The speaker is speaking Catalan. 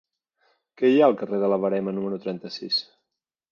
Què hi ha al carrer de la Verema número trenta-sis?